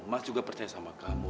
mas juga percaya sama kamu